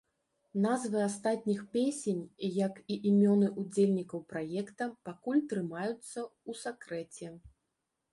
Назвы астатніх песень, як і імёны ўдзельнікаў праекта, пакуль трымаюцца ў сакрэце.